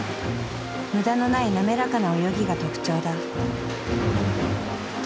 無駄のない滑らかな泳ぎが特徴だ。